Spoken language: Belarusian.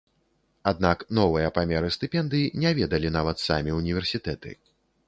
Аднак новыя памеры стыпендый не ведалі нават самі ўніверсітэты.